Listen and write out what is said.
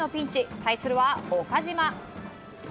対するは岡島。